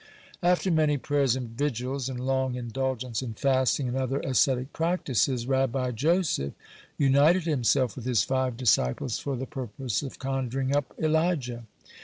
After many prayers and vigils and long indulgence in fasting, and other ascetic practices, Rabbi Joseph united himself with his five disciples for the purpose of conjuring up Elijah.